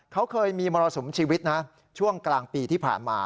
เขาเคยมีมรสุมชีวิตนะช่วงกลางปีที่ผ่านมา